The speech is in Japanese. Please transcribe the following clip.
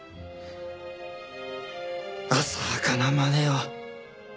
浅はかなまねを。